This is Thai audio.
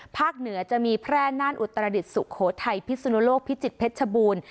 เหนือจะมีแพร่น่านอุตรดิษฐสุโขทัยพิสุนโลกพิจิตรเพชรชบูรณ์